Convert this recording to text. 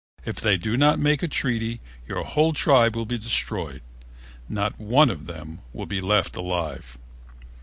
It they do not make a treaty, your whole tribe will be destroyed. Not one of them will be left alive."